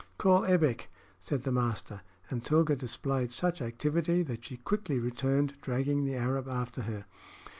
"Call Ebbek," said the master; and Tilga displayed such activity that she quickly returned, dragging the Arab after her.